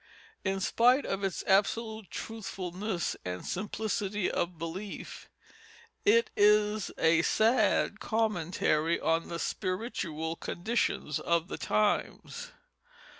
In spite of its absolute trustfulness and simplicity of belief, it is a sad commentary on the spiritual conditions of the times.